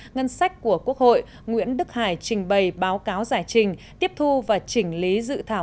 ngân sách của quốc hội nguyễn đức hải trình bày báo cáo giải trình tiếp thu và chỉnh lý dự thảo